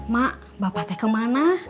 mak bapak teh kemana